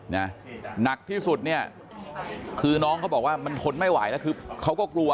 หนักที่สุดเนี่ยคือน้องเขาบอกว่ามันทนไม่ไหวแล้วคือเขาก็กลัว